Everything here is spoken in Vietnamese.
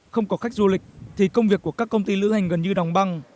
không có khách du lịch thì công việc của các công ty lưu hành gần như đòng băng